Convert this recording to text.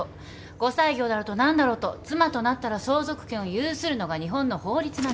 後妻業だろうと何だろうと妻となったら相続権を有するのが日本の法律なんです。